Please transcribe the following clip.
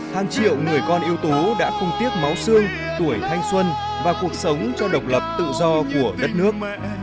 hàng triệu người con yếu tố đã không tiếc máu xương tuổi thanh xuân và cuộc sống cho độc lập tự do của đất nước